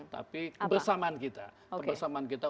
tapi kebersamaan kita